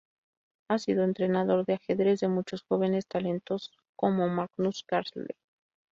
Ha sido entrenador de ajedrez de muchos jóvenes talentos, como Magnus Carlsen.